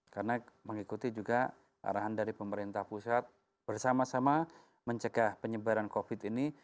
karena mengikuti juga arahan dari pemerintah pusat bersama sama mencegah penyebaran covid sembilan belas ini